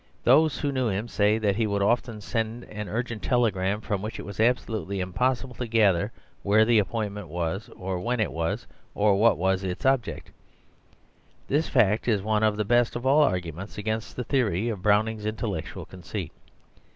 Those who knew him say that he would often send an urgent telegram from which it was absolutely impossible to gather where the appointment was, or when it was, or what was its object. This fact is one of the best of all arguments against the theory of Browning's intellectual conceit.